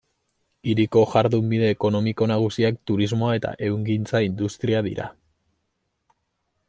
Hiriko jardunbide ekonomiko nagusiak turismoa eta ehungintza-industria dira.